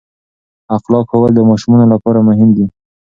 اخلاق ښوول د ماشومانو لپاره مهم دي.